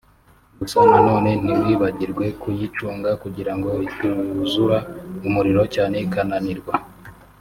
gusa na none ntiwibagirwe kuyicunga kugirango ituzura umuriro cyane ikananirwa